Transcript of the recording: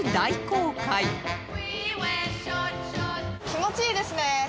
気持ちいいですね。